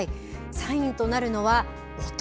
サインとなるのは音。